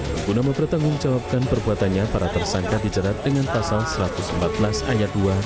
berguna mempertanggungjawabkan perbuatannya para tersangka dijerat dengan pasal satu ratus empat belas ayat dua